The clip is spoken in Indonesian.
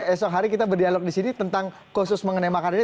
esok hari kita berdialog di sini tentang khusus mengenai makar ini